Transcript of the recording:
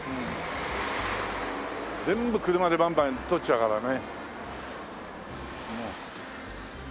全部車でバンバン通っちゃうからね。